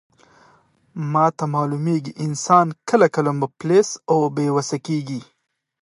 ماته معلومیږي، انسان کله کله مفلس او بې وسه کیږي.